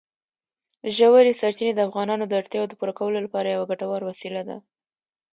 ژورې سرچینې د افغانانو د اړتیاوو د پوره کولو لپاره یوه ګټوره وسیله ده.